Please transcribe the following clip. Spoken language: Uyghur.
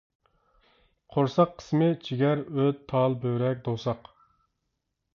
قورساق قىسمى: جىگەر، ئۆت، تال، بۆرەك، دوۋساق.